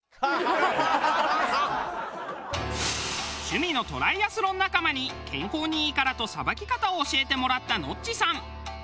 趣味のトライアスロン仲間に健康にいいからとさばき方を教えてもらったノッチさん。